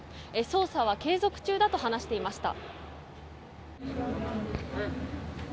捜査は継続中だと話していました。